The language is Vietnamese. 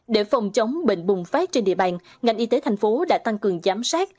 để phòng chống bệnh bùng phát trên địa bàn ngành y tế thành phố đã tăng cường giám sát